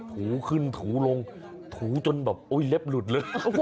ถูขึ้นถูลงถูจนแบบโอ้ยเล็บหลุดเลย